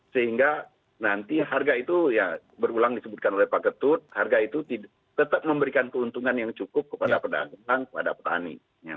sehingga nanti harga itu ya berulang disebutkan oleh pak ketut harga itu tetap memberikan keuntungan yang cukup kepada pedagang kepada petani